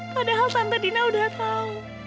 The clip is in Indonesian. padahal tante dina udah tahu